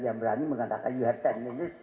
yang berani mengatakan you have sepuluh menit